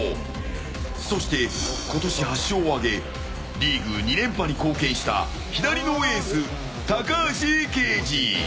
そして今年８勝を挙げリーグ２連覇に貢献した左のエース、高橋奎二。